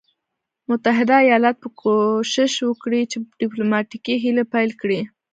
متحده ایالات به کوښښ وکړي چې ډیپلوماټیکي هلې پیل کړي.